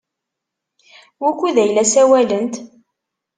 Wukud ay la ssawalent?